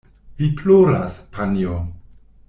Vi ploras, panjo!